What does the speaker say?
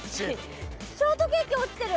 ショートケーキ落ちてる！